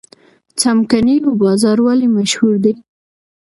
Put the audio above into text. څمکنیو بازار ولې مشهور دی؟